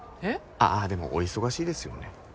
あっでもお忙しいですよね。